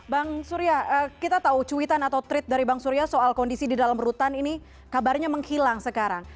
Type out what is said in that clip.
bang surya kita tahu cuitan atau treat dari bang surya soal kondisi di dalam rutan ini kabarnya menghilang sekarang